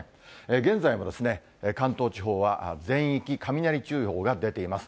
現在もですね、関東地方は、全域、雷注意報が出ています。